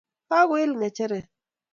Kagoil ngecheret